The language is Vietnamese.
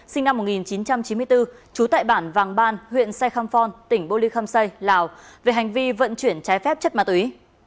sinh năm một nghìn chín trăm chín mươi bốn trú tại bản vàng ban huyện sai kham phon tỉnh bô ly kham sai lào về hành vi vận chuyển trái phép chất ma túy